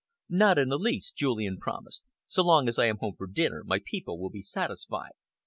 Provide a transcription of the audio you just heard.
"Not in the least," Julian promised. "So long as I am home for dinner, my people will be satisfied."